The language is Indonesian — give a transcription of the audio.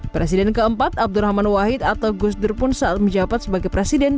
presiden keempat abdurrahman wahid atau gus dur pun saat menjabat sebagai presiden